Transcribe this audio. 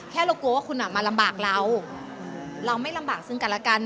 เรากลัวว่าคุณอ่ะมาลำบากเราเราไม่ลำบากซึ่งกันแล้วกัน